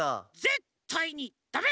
ぜったいにだめ！